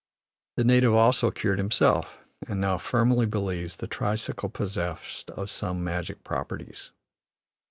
The native also cured himself, and now firmly believes the tricycle possessed of some magic properties.